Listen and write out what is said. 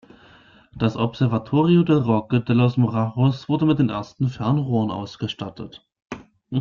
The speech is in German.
Das Observatorio del Roque de los Muchachos wurde mit den ersten Fernrohren ausgestattet.